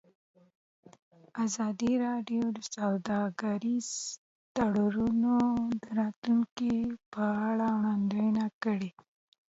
ازادي راډیو د سوداګریز تړونونه د راتلونکې په اړه وړاندوینې کړې.